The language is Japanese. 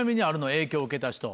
影響受けた人。